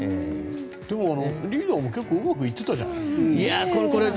でもリーダーも結構うまくいってたじゃない。